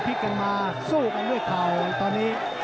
กันมาสู้กันด้วยเข่าตอนนี้